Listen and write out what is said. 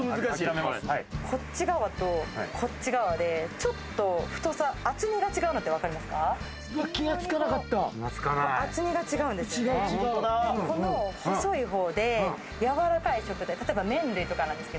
こっち側と、こっち側で、ちょっと太さ、厚みが違うの分かりますか？